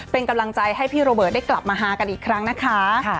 เป็นกำลังใจให้พี่โรเบิร์ตได้กลับมาฮากันอีกครั้งนะคะ